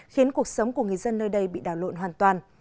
khiến cuộc sống của người dân nơi đây bị đào lộn hoàn toàn